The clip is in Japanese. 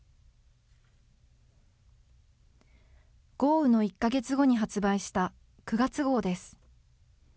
豪雨の１か月後に発売した９月号です。